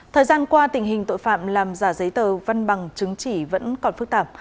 thời gian qua tình hình tội phạm làm giả giấy tờ văn bằng chứng chỉ vẫn còn phức tạp